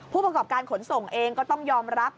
ผู้ประกอบการขนส่งเองก็ต้องยอมรับ